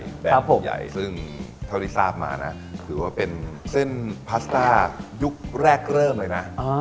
แบบใหญ่ซึ่งเท่าที่ทราบมานะถือว่าเป็นเส้นพาสต้ายุคแรกเริ่มเลยนะ